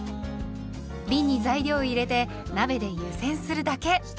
びんに材料を入れて鍋で湯煎するだけ。